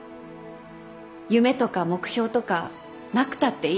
夢とか目標とかなくたっていい。